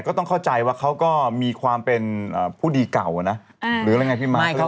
ก็ต้องเข้าใจว่าเขาก็มีความเป็นผู้ดีเก่านะหรืออะไรไงพี่ม้า